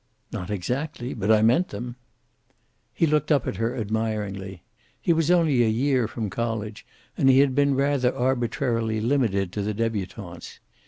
"Not exactly. But I meant them." He looked up at her admiringly. He was only a year from college, and he had been rather arbitrarily limited to the debutantes.